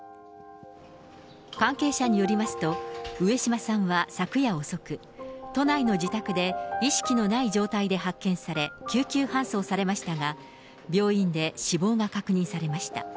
関係者によりますと、上島さんは昨夜遅く、都内の自宅で意識のない状態で発見され、救急搬送されましたが、病院で死亡が確認されました。